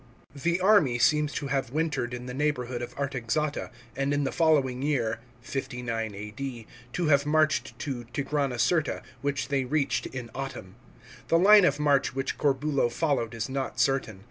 § 10. The army seems to have wintered in the neighbourhood of Artaxata, and in the following year (59 A.D.) to have marched to Tigranocerta, which they reached in autumn. The line of march which Corbulo followed is not certain.